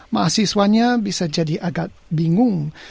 mahasiswanya bisa jadi agak bingung